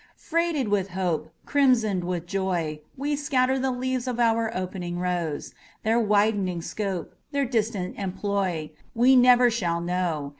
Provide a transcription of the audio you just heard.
Freighted with hope, Crimsoned with joy, We scatter the leaves of our opening rose; Their widening scope, Their distant employ, We never shall know.